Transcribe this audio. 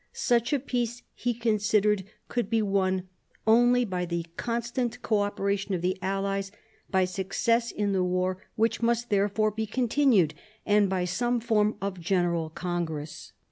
Such a peace he considered could be won only by the constant co operation of the allies, by success in the war which must therefore be continued, and by some form of general congress.